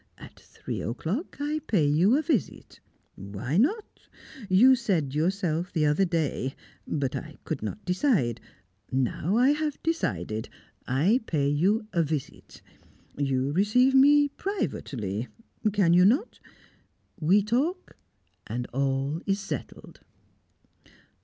At three o'clock, I pay you a visit. Why not? You said it yourself the other day, but I could not decide. Now I have decided. I pay you a visit; you receive me privately can you not? We talk, and all is settled!"